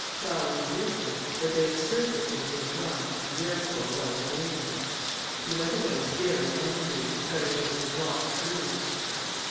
Charles resisted, but they asserted that he had drunk, and therefore was a brigand. He went away very angry, declaring that it was not true.